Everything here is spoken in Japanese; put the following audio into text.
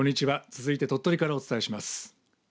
続いて鳥取からお伝えします。